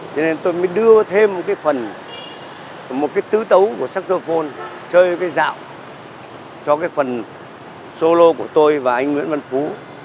cho nên tôi mới đưa thêm cái phần một cái tứ tấu của saxophone chơi cái dạo cho cái phần solo của tôi và anh nguyễn văn phú